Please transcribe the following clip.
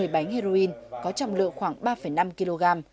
một mươi bánh heroin có trọng lượng khoảng ba năm kg